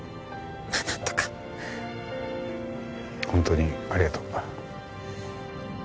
本当にありがとう。